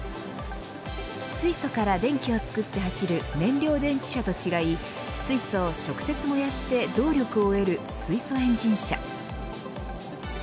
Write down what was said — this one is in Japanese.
水素から電気を作って走る燃料電池車と違い水素を直接燃やして動力を得る、水素エンジン車。